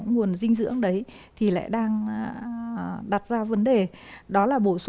tuy nhiên là